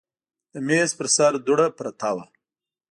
د میز پر سر دوړه پرته وه.